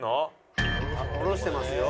降ろしてますよ